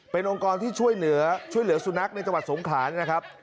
เป็นองค์กรที่ช่วยเหลือช่วยเหลือสุนัขในจังหวัดสงขานะครับ